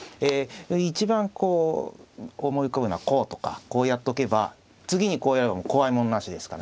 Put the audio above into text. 一番こう思い浮かぶのはこうとかこうやっとけば次にこうやれば怖いものなしですからね。